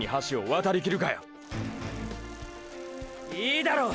いいだろう！